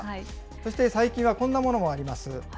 そして、最近はこんなものもあります。